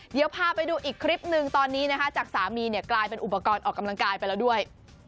เดี๋ยวพาไปดูอีกคลิปหนึ่งตอนนี้นะคะจากสามีเนี่ยกลายเป็นอุปกรณ์ออกกำลังกายไปแล้วด้วย